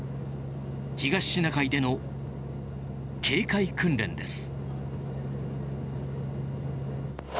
東シナ海での警戒訓練です。